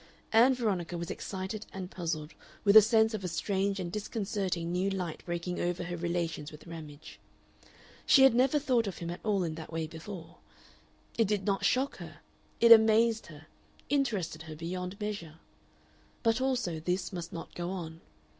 Ann Veronica was excited and puzzled, with a sense of a strange and disconcerting new light breaking over her relations with Ramage. She had never thought of him at all in that way before. It did not shock her; it amazed her, interested her beyond measure. But also this must not go on.